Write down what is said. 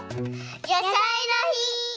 「やさいの日」。